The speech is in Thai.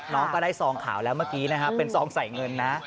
น้องก็ได้ซองขาวแล้วเมื่อกี้นะครับเป็นซองใส่เงินนะ